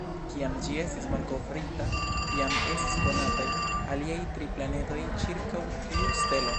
Kiam ĝi estis malkovrita, jam estis konataj aliaj tri planedoj ĉirkaŭ tiu stelo.